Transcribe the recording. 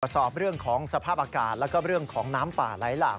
สอบเรื่องของสภาพอากาศแล้วก็เรื่องของน้ำป่าไหลหลาก